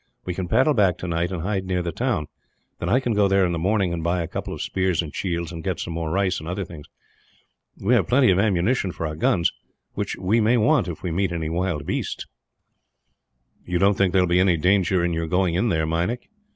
We can paddle back tonight, and hide near the town; then I can go there in the morning, and buy a couple of spears and shields, and get some more rice and other things. We have plenty of ammunition for our guns; which we may want, if we meet any wild beasts." "You don't think that there will be any danger in your going in there, Meinik?